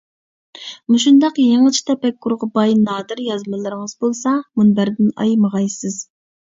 مۇشۇنداق يېڭىچە تەپەككۇرغا باي نادىر يازمىلىرىڭىز بولسا مۇنبەردىن ئايىمىغايسىز.